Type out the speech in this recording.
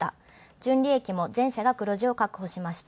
純利益も全社が確保しました。